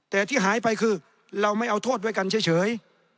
แต่ที่หายไปคือเราไม่เอาโทษไว้กันเฉย